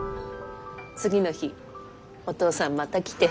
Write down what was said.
次の日お父さんまた来て。